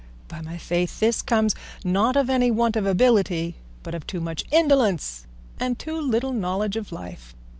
By my faith, this comes, not of any want of ability, but of too much indolence and too little knowledge of life.